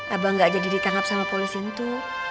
abah gak jadi ditangkap sama polisi itu